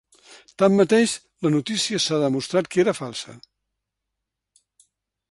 Tanmateix, la notícia s’ha demostrat que era falsa.